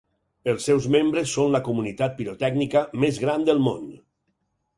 Els seus membres són la comunitat pirotècnica més gran del món.